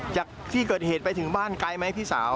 จากที่เกิดเหตุไปถึงบ้านไกลไหมพี่สาว